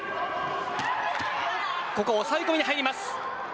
ここ、抑え込みに入ります。